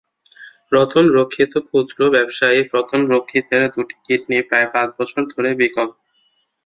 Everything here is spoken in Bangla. রতন রক্ষিতক্ষুদ্র ব্যবসায়ী রতন রক্ষিতের দুটি কিডনি প্রায় পাঁচ বছর ধরে বিকল।